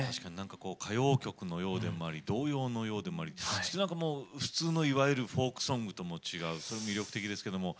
歌謡曲のようでもあり童謡のようでもありそして普通のいわゆるフォークソングとも違う魅力的ですけれども。